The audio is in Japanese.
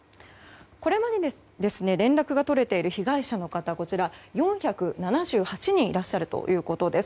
これまで連絡が取れている被害者の方４７８人いらっしゃるということです。